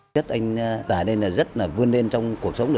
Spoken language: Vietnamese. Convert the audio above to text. chất anh tài nên là rất là vươn lên trong cuộc sống